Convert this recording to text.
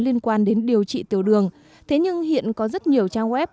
liên quan đến điều trị tiểu đường thế nhưng hiện có rất nhiều trang web